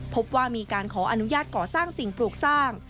พบว่ามีการขออนุญาตก่อสร้างสิ่งปลูกสร้าง